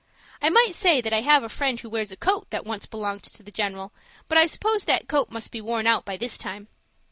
I might say that I have a friend who wears a coat that once belonged to the general. But I suppose that coat must be worn out by this time.